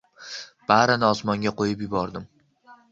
Barini osmonga qo’yib yubordim.